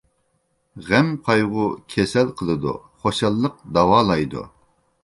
غەم-قايغۇ كېسەل قىلىدۇ، خۇشاللىق داۋالايدۇ.